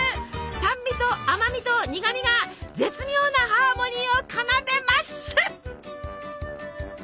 酸味と甘味と苦味が絶妙なハーモニーを奏でます！